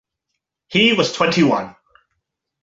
He was twenty-one.